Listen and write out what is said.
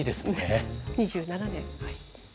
２７年。